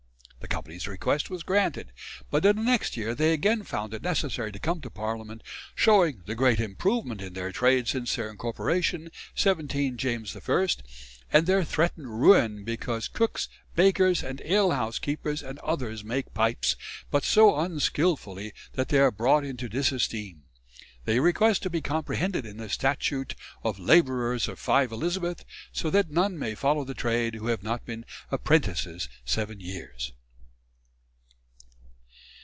The Company's request was granted; but in the next year they again found it necessary to come to Parliament, showing "the great improvement in their trade since their incorporation, 17 James I, and their threatened ruin because cooks, bakers, and ale house keepers and others make pipes, but so unskilfully that they are brought into disesteem; they request to be comprehended in the Statute of Labourers of 5 Elizabeth, so that none may follow the trade who have not been apprentices seven years."